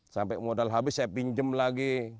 sampai modal habis saya pinjam lagi